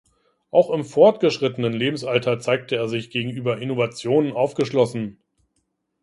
Auch im fortgeschrittenen Lebensalter zeigte er sich gegenüber Innovationen aufgeschlossen.